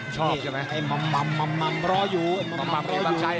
ชอบใช่ไหมไอ้มำรออยู่ไอ้มำรออยู่